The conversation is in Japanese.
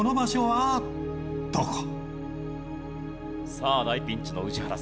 さあ大ピンチの宇治原さん。